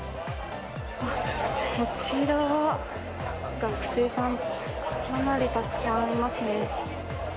こちらは、学生さん、かなりたくさんいますね。